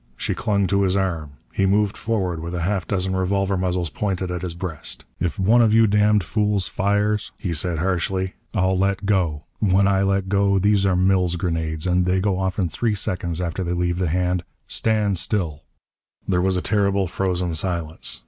She clung to his arm. He moved forward, with half a dozen revolver muzzles pointed at his breast. "If one of you damned fools fires," he said harshly, "I'll let go. When I let go these are Mills grenades, and they go off in three seconds after they leave the hand. Stand still!" There was a terrible, frozen silence.